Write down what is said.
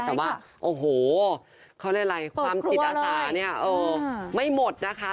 แต่ว่าโอ้โหเขาเรียกอะไรความจิตอาสาเนี่ยไม่หมดนะคะ